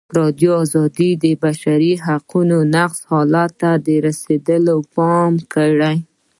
ازادي راډیو د د بشري حقونو نقض حالت ته رسېدلي پام کړی.